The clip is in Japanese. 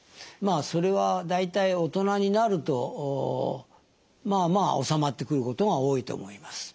それは大体大人になるとまあまあおさまってくることが多いと思います。